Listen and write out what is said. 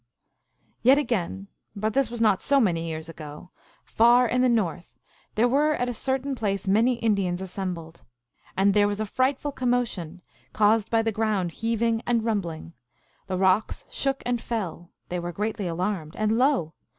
Yet again, but this was not so many years ago, far in the North there were at a certain place many Indians assembled. And there was a frightful com motion, caused by the ground heaving and rumbling ; the rocks shook and fell, they were greatly alarmed, and lo